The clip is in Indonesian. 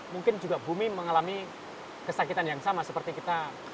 mungkin juga bumi mengalami kesakitan yang sama seperti kita